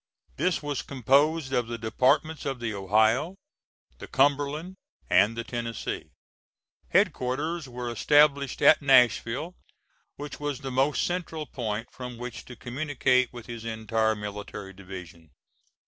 This was composed of the Departments of the Ohio, the Cumberland, and the Tennessee. Headquarters were established at Nashville, which was the most central point from which to communicate with his entire military division.